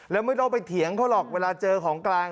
แล้วไม่ต้องไปเถียงเขาหรอกเวลาเจอของกลาง